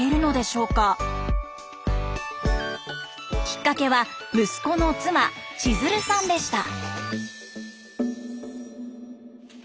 きっかけは息子の妻千鶴さんでした。